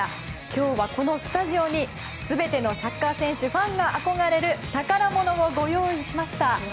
今日はこのスタジオに全てのサッカー選手ファンが憧れる宝物をご用意しました。